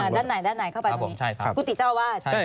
ด้านไหนเข้าไปตรงนี้กุฏิเจ้าวาด